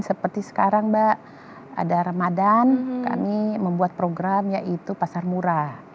seperti sekarang mbak ada ramadan kami membuat program yaitu pasar murah